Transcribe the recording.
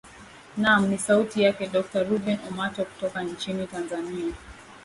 naam ni sauti yake dokta ruben omato kutoka nchini tanzania